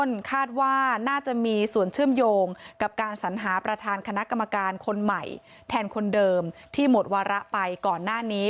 คาดว่าน่าจะมีส่วนเชื่อมโยงกับการสัญหาประธานคณะกรรมการคนใหม่แทนคนเดิมที่หมดวาระไปก่อนหน้านี้